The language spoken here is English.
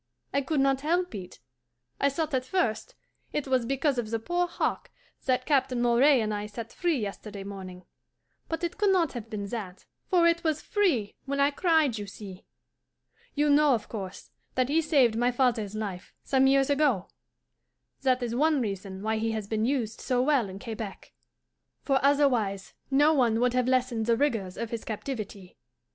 I could not help it. I thought at first it was because of the poor hawk that Captain Moray and I set free yesterday morning; but it could not have been that, for it was FREE when I cried, you see. You know, of course, that he saved my father's life, some years ago? That is one reason why he has been used so well in Quebec, for otherwise no one would have lessened the rigours of his captivity.